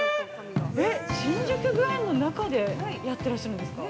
新宿御苑の中でやっていらっしゃるんですか。